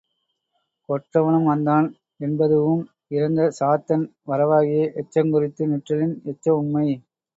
கொற்றவனும் வந்தான் என்பதூஉம், இறந்த சாத்தன் வரவாகிய எச்சங்குறித்து நிற்றலின் எச்ச உம்மை.